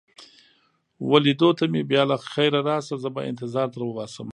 وه لیدو ته مې بیا له خیره راشه، زه به انتظار در وباسم.